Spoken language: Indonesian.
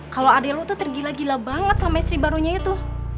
kalo adik lo tuh tergila gila banget sama istri barunya itu